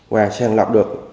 và sàn lập được